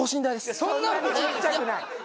そんなに小っちゃくない。